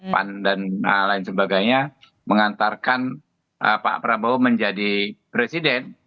pan dan lain sebagainya mengantarkan pak prabowo menjadi presiden